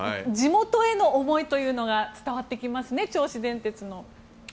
地元への思いというのが伝わってきますね、銚子電鉄の。